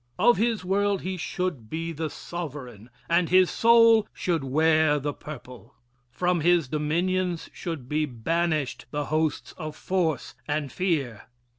Of his world he should be the sovereign, and his soul should wear the purple. From his dominions should be banished the hosts of force and fear.